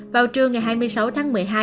vào trưa ngày hai mươi sáu tháng một mươi hai